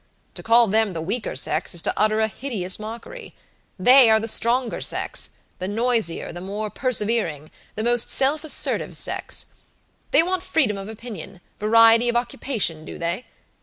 To call them the weaker sex is to utter a hideous mockery. They are the stronger sex, the noisier, the more persevering, the most self assertive sex. They want freedom of opinion, variety of occupation, do they?